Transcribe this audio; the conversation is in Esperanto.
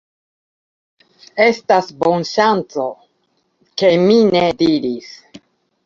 Estas bonŝanco, ke mi ne diris: